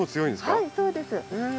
はいそうです。